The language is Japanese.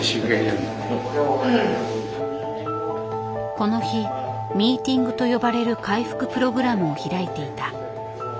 この日ミーティングと呼ばれる回復プログラムを開いていた。